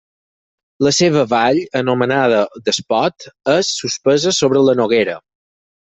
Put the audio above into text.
La seva vall, anomenada d'Espot, és suspesa sobre la Noguera.